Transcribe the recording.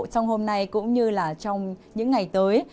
trong hôm nay cũng như trong những ngày tới